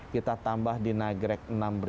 kita tambah di nagreg tiga ribu